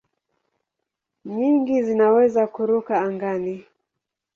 Nyingi zinaweza kuruka angani.